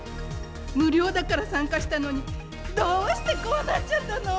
無料だから参加したのに、どうしてこうなっちゃったの。